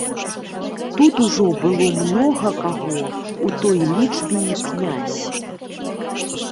Тут ужо было многа каго, у той лічбе і князь.